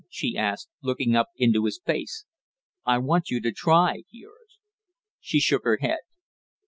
she asked, looking up into his face. "I want you to try!" he urged. She shook her head.